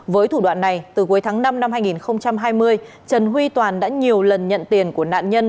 với thủ đoạn này từ cuối tháng năm năm hai nghìn hai mươi trần huy toàn đã nhiều lần nhận tiền của nạn nhân